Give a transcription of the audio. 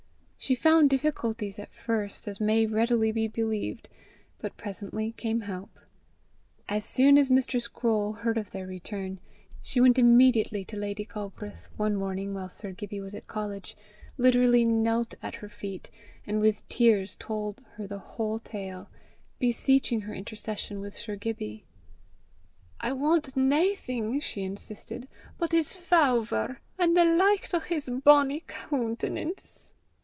She found difficulties at first, as may readily be believed. But presently came help. As soon as Mistress Croale heard of their return, she went immediately to Lady Galbraith, one morning while Sir Gibbie was at college, literally knelt at her feet, and with tears told her the whole tale, beseeching her intercession with Sir Gibbie. "I want naething," she insisted, "but his fawvour, an' the licht o' his bonnie coontenance."